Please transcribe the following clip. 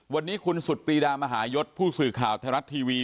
วันนี้คุณสุดปรีดามหายศผู้สื่อข่าวไทยรัฐทีวี